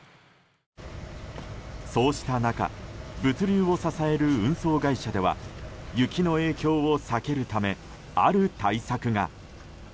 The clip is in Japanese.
そうした中物流を支える運送会社では雪の影響を避けるためある対策が。